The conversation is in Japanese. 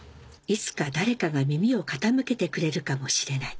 「いつか誰かが耳を傾けてくれるかもしれない」